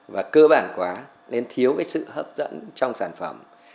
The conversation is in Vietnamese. và cơ bản quá nên thiếu cái sự hấp dẫn trong sản phẩm